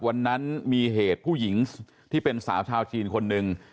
วันนั้นมีเหตุผู้หญิงที่เป็นสาวชาวจีนคนหนึ่ง